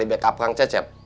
di backup kang cecep